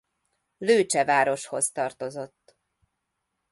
Lőcse városhoz tartozott.